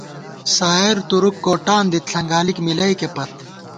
سائېر تُرُک کوٹان دِت ݪنگالِک مِلَئیکے پت